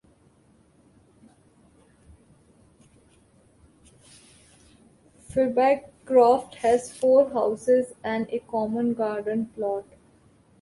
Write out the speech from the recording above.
Firby Croft has four houses and a common garden plot.